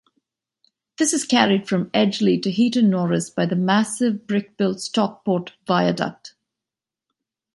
This is carried from Edgeley to Heaton Norris by the massive brick-built Stockport Viaduct.